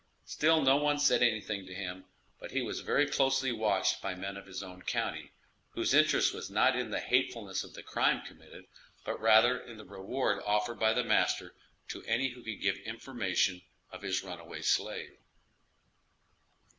Still no one said anything to him, but he was very closely watched by men of his own county, whose interest was not in the hatefulness of the crime committed, but rather in the reward offered by the master to any who could give information of his runaway slave.